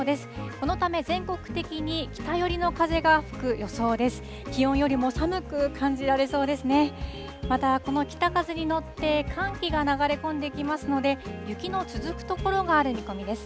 このため、全国的に北寄りの風が吹く予想です。